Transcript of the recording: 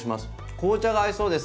紅茶が合いそうです。